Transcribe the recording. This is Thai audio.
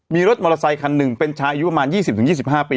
มีรถมอเตอร์ไซคันหนึ่งเป็นชายอายุประมาณ๒๐๒๕ปี